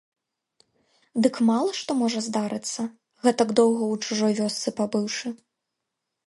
Дык мала што можа здарыцца, гэтак доўга ў чужой вёсцы пабыўшы.